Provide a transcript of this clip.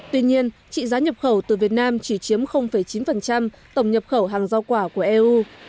tuy nhiên trị giá nhập khẩu từ việt nam chỉ chiếm chín tổng nhập khẩu hàng giao quả của eu